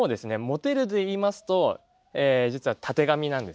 モテるでいいますと実はたてがみなんですよね。